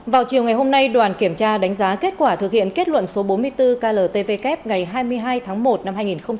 vào chiều ngày hôm nay đoàn kiểm tra đánh giá kết quả thực hiện kết luận số bốn mươi bốn kltvk ngày hai mươi hai tháng một năm hai nghìn hai mươi ba